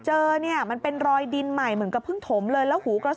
เจอแบบนี้แล้วมันเป็นรอยดินใหม่เหมือนกระพึ้งถมเลย